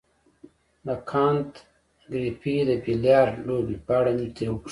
د کانت ګریفي د بیلیارډ لوبې په اړه مې ترې وپوښتل.